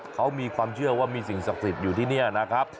เขามีความเชื่อว่ามีสิ่งศักดิ์สิทธิ์อยู่ที่นี่นะครับ